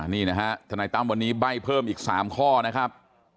นี่นะฮะทนายตั้มวันนี้ใบ้เพิ่มอีก๓ข้อนะครับ